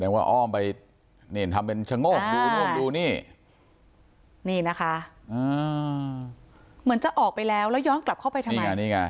ว่าอ้อมไปนี่ทำเป็นชะโงกดูนู่นดูนี่นี่นะคะเหมือนจะออกไปแล้วแล้วย้อนกลับเข้าไปทำไม